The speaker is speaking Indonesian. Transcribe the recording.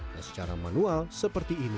dan secara manual seperti ini